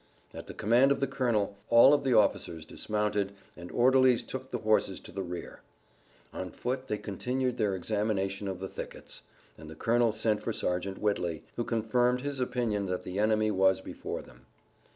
At the command of the colonel all of the officers dismounted, and orderlies took the horses to the rear. On foot they continued their examination of the thickets, and the colonel sent for Sergeant Whitley, who confirmed his opinion that the enemy was before them.